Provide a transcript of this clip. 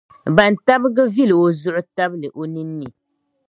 bantabiga vili o zuɣu tabili o ninni.